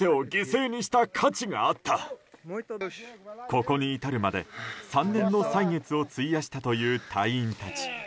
ここに至るまで３年の歳月を費やしたという隊員たち。